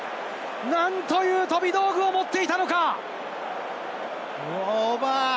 なんという飛び道具を持っていたのか！